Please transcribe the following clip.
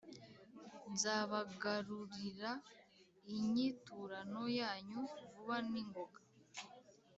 Nzabagarurira inyiturano yanyu vuba n ingoga